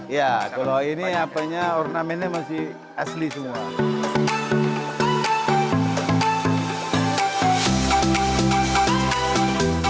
iya kalau ini apanya ornamennya masih asli semua